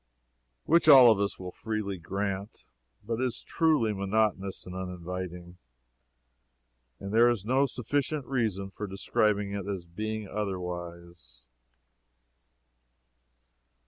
Which all of us will freely grant. But it truly is "monotonous and uninviting," and there is no sufficient reason for describing it as being otherwise.